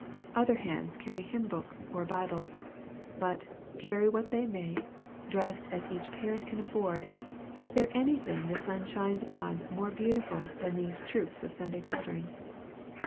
Other hands carry hymn books or Bibles. But, carry what they may, dressed as each parent can afford, is there anything the sun shines upon more beautiful than these troops of Sunday children?